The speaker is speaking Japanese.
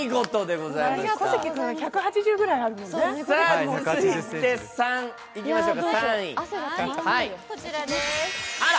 小関君１８０くらいあるもんね続いて３位。出ましたね。